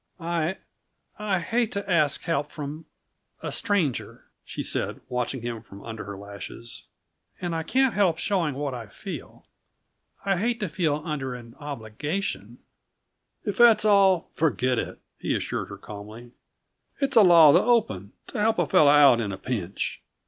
"I I hate to ask help from a stranger," she said, watching him from under her lashes. "And I can't help showing what I feel. I hate to feel under an obligation " "If that's all, forget it," he assured her calmly. "It's a law of the open to help a fellow out in a pinch.